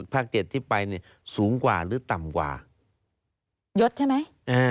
ภาคเจ็ดที่ไปเนี่ยสูงกว่าหรือต่ำกว่ายดใช่ไหมอ่า